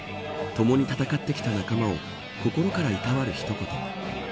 ともに戦ってきた仲間を心からいたわる一言。